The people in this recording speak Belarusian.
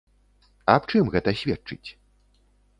Аб чым гэта сведчыць?